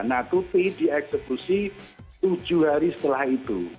nah tuti dieksekusi tujuh hari setelah itu